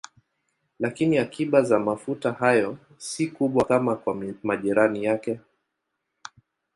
Lakini akiba za mafuta hayo si kubwa kama kwa majirani yake.